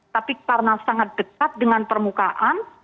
tapi karena sangat dekat dengan permukaan